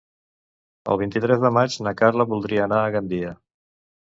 El vint-i-tres de maig na Carla voldria anar a Gandia.